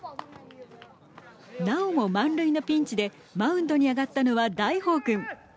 なおも満塁のピンチでマウンドに上がったのは大宝くん。